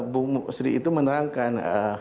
bu sri itu menerangkan